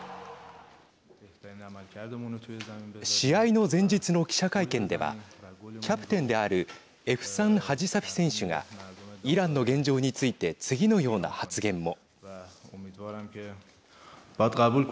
試合の前日の記者会見ではキャプテンであるエフサン・ハジサフィ選手がイランの現状について次のような発言も。